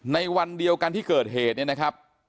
ในวันเดียวกันที่เกิดเหตุเนี่ยนะครับ